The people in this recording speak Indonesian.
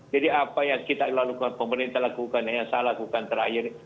jadi apa yang kita lakukan pemerintah lakukan yang saya lakukan terakhir